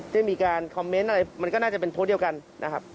ได้มีการคอมเมนต์อะไรมันก็น่าจะเป็นโพสต์เดียวกันนะครับ